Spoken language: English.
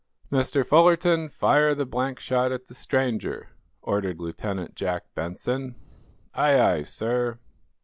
"Mr. Fullerton, fire the blank shot at the stranger," ordered Lieutenant Jack Benson. "Aye, aye, sir."